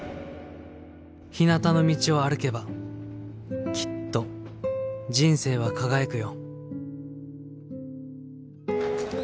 ひなたの道を歩けばきっと人生は輝くよ」。